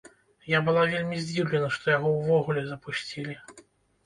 Я была вельмі здзіўлена, што яго ўвогуле запусцілі.